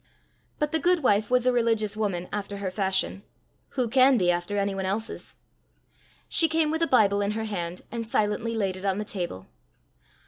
But the guidwife was a religious woman after her fashion who can be after any one else's? She came with a Bible in her hand, and silently laid it on the table.